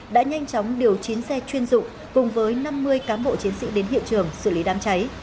đã nhanh chóng điều chín xe chuyên dụng cùng với năm mươi cán bộ chiến sĩ đến hiện trường xử lý đám cháy